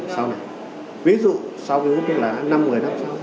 sau này ví dụ sau hút thuốc lá năm một mươi năm sau